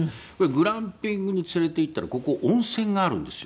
グランピングに連れていったらここ温泉があるんですよ